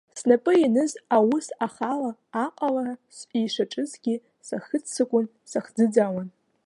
Снапы ианыз аус ахала аҟалара ишаҿызгьы сахыццакуан, сахӡыӡаауан.